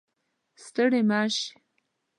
ستړې مه شئ